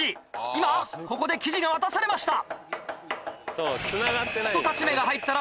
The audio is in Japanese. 今ここで生地が渡されました。